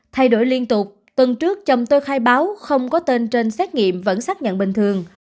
thay đổi liên tục tuần trước chồng tôi khai báo không có tên trên xét nghiệm vẫn xác nhận bình thường